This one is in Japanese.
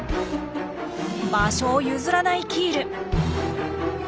場所を譲らないキール。